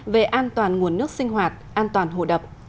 về an toàn nguồn nước sinh hoạt an toàn hồ đập